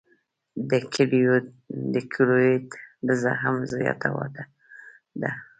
د کیلویډ د زخم زیاته وده ده.